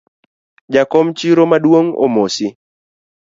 Jakom chiro maduong’ omosi